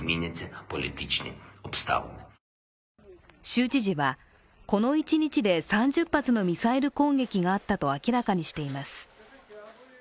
州知事は、この一日で３０発のミサイル攻撃があったと明らかにしています。